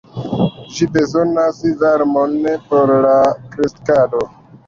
Ĝi bezonas varmon por la kreskado.